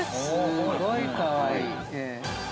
すごいかわいい。